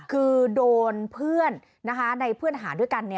คือโดนเพื่อนในเพื่อนหาด้วยกัน